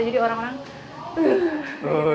jadi orang orang tuh